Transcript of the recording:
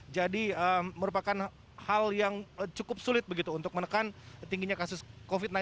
jadi merupakan hal yang cukup sulit untuk menekan tingginya kasus covid sembilan belas